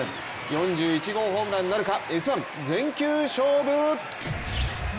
４１号ホームランなるか、「Ｓ☆１」全球勝負。